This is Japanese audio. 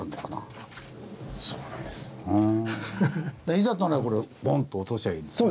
いざとなりゃこれをボンと落としゃいいんだね。